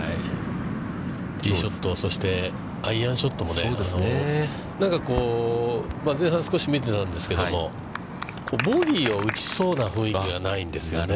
ティーショット、そしてアイアンショットもね、なんかこう前半少し見てたんですけれども、ボギーを打ちそうな雰囲気がないんですよね。